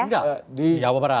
enggak di jawa barat